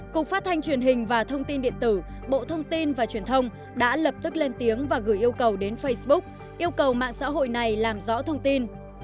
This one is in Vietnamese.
cục phát thanh truyền hình và thông tin điện tử bộ thông tin và truyền thông đã lập tức lên tiếng và gửi yêu cầu đến facebook yêu cầu mạng xã hội này làm rõ thông tin